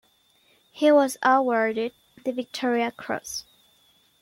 He was awarded the Victoria Cross.